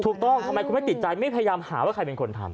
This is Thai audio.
ถูกต้องทำไมคุณไม่ติดใจไม่พยายามหาว่าใครเป็นคนทำ